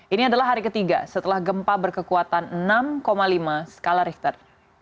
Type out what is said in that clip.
ini adalah hari ketiga setelah gempa berkekuatan enam lima skala richter